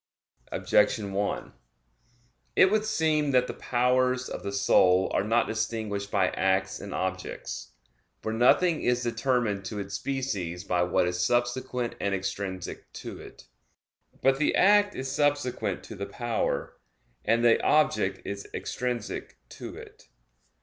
Objection 1: It would seem that the powers of the soul are not distinguished by acts and objects. For nothing is determined to its species by what is subsequent and extrinsic to it. But the act is subsequent to the power; and the object is extrinsic to it.